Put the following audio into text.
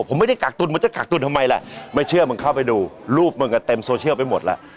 ผมไม่ได้กักตุลมึงจะกักตุลทำไมล่ะไม่เชื่อมึงเข้าไปดูรูปมึงก็เต็มโซเชียลไปหมดแล้ว